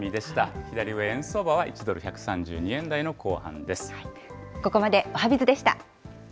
左上、円相場は１ドル１３２円台の後半です。